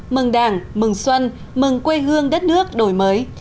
mừng đảng mừng xuân mừng quê hương đất nước đổi mới